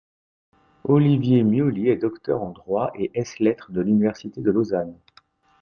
Olivier Meuwly est Docteur en droit et ès lettres de l'Université de Lausanne.